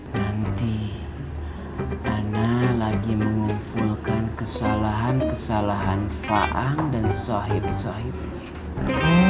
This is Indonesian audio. nanti ana lagi mengumpulkan kesalahan kesalahan fa'ang dan sahib sahibnya